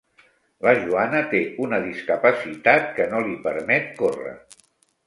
La Joana té una discapacitat que no li permet córrer.